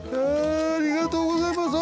ありがとうございます。